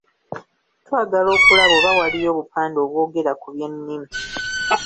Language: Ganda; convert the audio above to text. Twagala okulaba oba waliyo obupande obwogera ku by’ennimi.